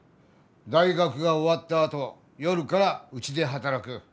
大学が終わったあと夜からうちで働く。